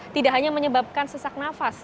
tidak hanya menyebabkan sesak nafas